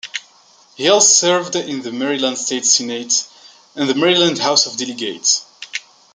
He also served in the Maryland State Senate and the Maryland House of Delegates.